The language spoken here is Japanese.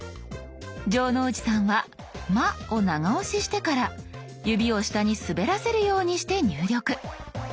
城之内さんは「ま」を長押ししてから指を下に滑らせるようにして入力。